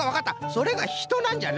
それがひとなんじゃな。